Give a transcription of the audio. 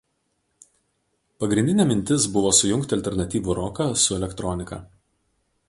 Pagrindinė mintis buvo sujungti alternatyvų roką su elektronika.